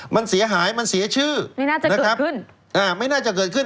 มันเสียหายมันเสียชื่อไม่น่าจะเกิดขึ้นอ่าไม่น่าจะเกิดขึ้น